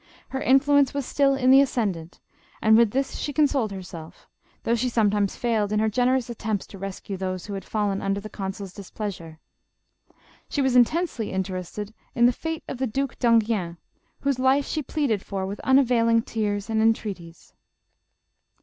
Her influence was still in the ascendant, and with this she consoled herself, though she sometimes failed in her generous attempts to rescue those who had fallen under the consul's displeasure. She was intensely interested in the fate of the Duke d'Enghien, whose life she pleaded for with unavailing tears and entreaties.